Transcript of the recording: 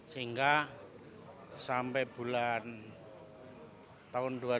sehingga sampai bulan tahun dua ribu tujuh belas